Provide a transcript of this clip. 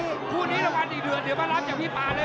คู่นี้คู่นี้ระวังอีกเดือนเดี๋ยวมารับจากพี่ปาเลยนะ